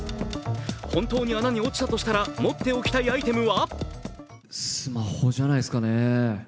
本当に穴に落ちたとしたら、持っておきたいアイテムは？